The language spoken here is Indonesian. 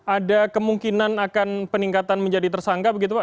ada kemungkinan akan peningkatan menjadi tersangka begitu pak